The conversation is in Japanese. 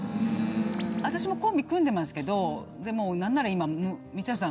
私もコンビ組んでますけど何なら今光浦さん